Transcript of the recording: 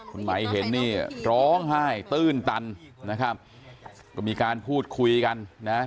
คุณไหมเห็นนี่ร้องไห้ตื้นตันนะครับก็มีการพูดคุยกันนะ